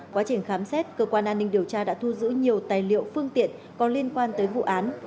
quá trình khám xét cơ quan an ninh điều tra đã thu giữ nhiều tài liệu phương tiện có liên quan tới vụ án